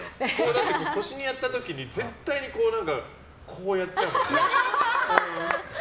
だって、腰にやった時に絶対にこうやっちゃうもん。